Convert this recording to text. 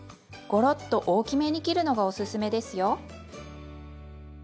ごろっと大きめに切るのがおすすめですよ。